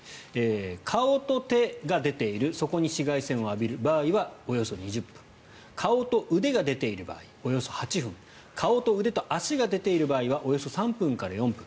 顔と手が出ているそこに紫外線を浴びる場合はおよそ２０分顔と腕が出ている場合およそ８分顔と腕と足が出ている場合はおよそ３分から４分。